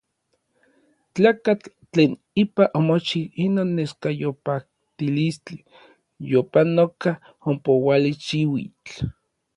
Tlakatl tlen ipa omochij inon neskayopajtilistli yopanoka ompouali xiuitl.